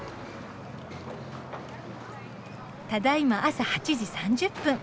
ただいま朝８時３０分。